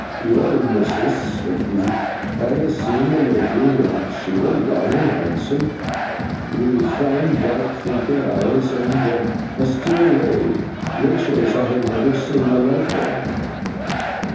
'Well, missus,' said he, 'I ha seen the lady, and she were young and hansom. Wi' fine dark thinkin eyes, and a still way, Rachael, as I ha never seen the like on.